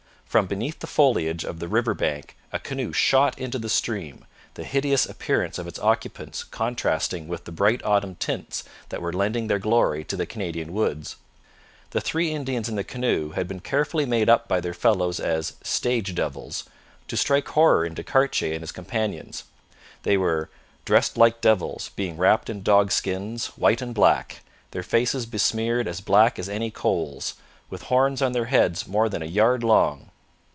From beneath the foliage of the river bank a canoe shot into the stream, the hideous appearance of its occupants contrasting with the bright autumn tints that were lending their glory to the Canadian woods. The three Indians in the canoe had been carefully made up by their fellows as 'stage devils' to strike horror into Cartier and his companions. They were 'dressed like devils, being wrapped in dog skins, white and black, their faces besmeared as black as any coals, with horns on their heads more than a yard long.'